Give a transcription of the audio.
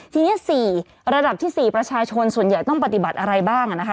ทีนี้๔ระดับที่๔ประชาชนส่วนใหญ่ต้องปฏิบัติอะไรบ้างนะคะ